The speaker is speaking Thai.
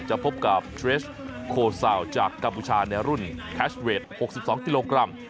พบกับเทรสโคซาวจากกัมพูชาในรุ่นแคชเวท๖๒กิโลกรัม